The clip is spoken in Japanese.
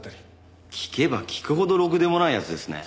聞けば聞くほどろくでもない奴ですね。